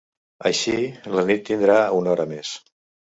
Així, la nit tindrà una hora més.